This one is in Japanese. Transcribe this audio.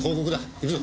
行くぞ。